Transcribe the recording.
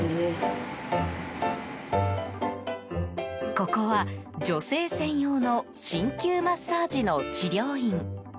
ここは、女性専用の鍼灸マッサージの治療院。